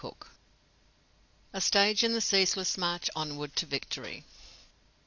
A STAGE IN THE CEASELESS MARCH ONWARD TO VICTORY.